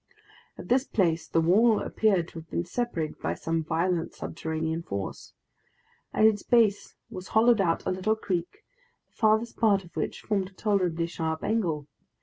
At this place the wall appeared to have been separated by some violent subterranean force. At its base was hollowed out a little creek, the farthest part of which formed a tolerably sharp angle.